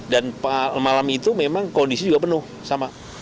dan malam itu memang kondisi juga penuh sama